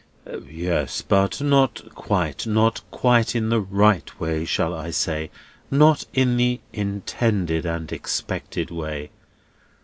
"Yes; but not quite—not quite in the right way, shall I say? Not in the intended and expected way.